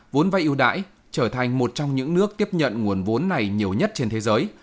vốn vay ưu đãi trở thành một trong những nước tiếp nhận nguồn vốn này nhiều nhất trên thế giới